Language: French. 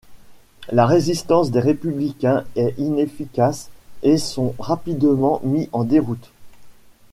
La résistance des Républicains est inefficace et ils sont rapidement mis en déroute.